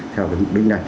theo cái mục đích này